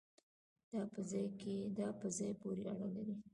دا په ځای پورې اړه لري